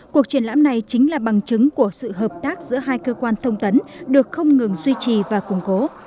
cuộc triển lãm này chính là bằng chứng của sự hợp tác giữa hai cơ quan thông tấn được không ngừng duy trì và củng cố